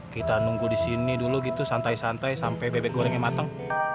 kita nunggu disini dulu gitu santai santai sampai bebek gorengnya mateng